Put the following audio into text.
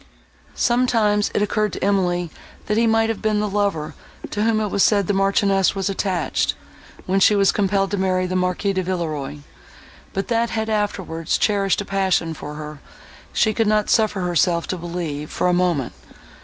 Sometimes it occurred to Emily, that he might have been the lover, to whom it was said the Marchioness was attached, when she was compelled to marry the Marquis de Villeroi; but that he had afterwards cherished a passion for her, she could not suffer herself to believe, for a moment.